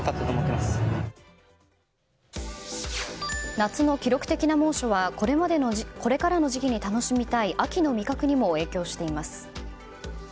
夏の記録的な猛暑はこれからの時期に楽しみたい秋の味覚にも影響しています。